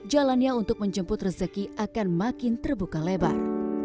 jalannya untuk menjemput rezeki akan makin terbuka lebar